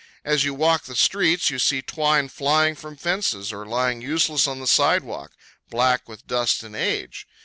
As you walk the streets you see twine flying from fences, or lying useless on the sidewalk, black with dust and age.